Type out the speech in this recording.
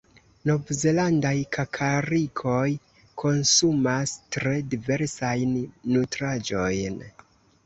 Novzelandaj kakarikoj konsumas tre diversajn nutraĵojn.